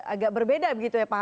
agak berbeda begitu ya